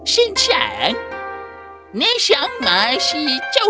tuan fog siapa kau